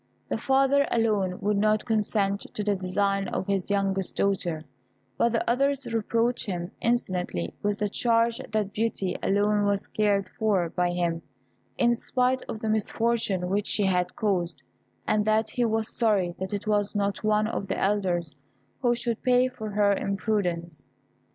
The father alone would not consent to the design of his youngest daughter; but the others reproached him insolently with the charge that Beauty alone was cared for by him, in spite of the misfortune which she had caused, and that he was sorry that it was not one of the elders who should pay for her imprudence.